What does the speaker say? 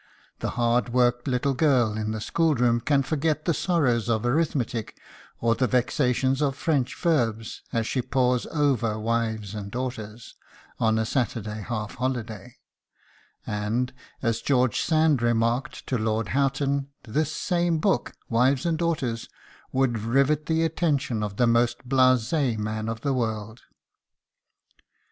The hard worked little girl in the schoolroom can forget the sorrows of arithmetic or the vexations of French verbs as she pores over "Wives and Daughters" on a Saturday half holiday, and, as George Sand remarked to Lord Houghton, this same book, "Wives and Daughters," "would rivet the attention of the most blas├® man of the world."